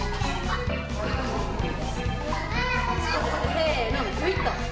せのグッと。